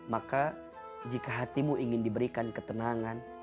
maka jika hatimu ingin diberikan ketenangan